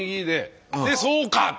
でそうか！